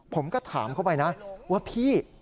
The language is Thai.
ผมก็ถามเขาไปนะว่าพี่